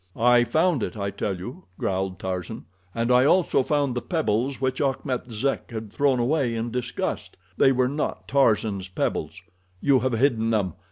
"I found it, I tell you," growled Tarzan, "and I also found the pebbles which Achmet Zek had thrown away in disgust. They were not Tarzan's pebbles. You have hidden them!